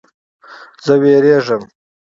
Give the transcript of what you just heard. زه ویریږم